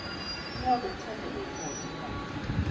He held it tenderly towards the light.